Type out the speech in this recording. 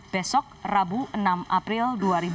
besok rabu enam april dua ribu enam belas